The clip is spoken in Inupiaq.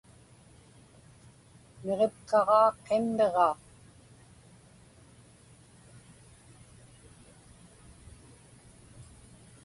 Niġipkaġaa qimmiġa.